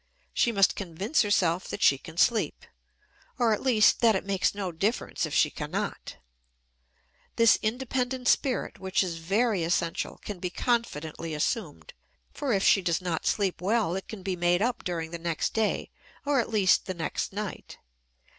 She must convince herself that she can sleep, or at least that it makes no difference if she cannot. This independent spirit, which is very essential, can be confidently assumed, for if she does not sleep well it can be made up during the next day or at least the next night.